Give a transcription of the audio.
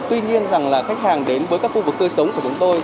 tuy nhiên rằng là khách hàng đến với các khu vực tươi sống của chúng tôi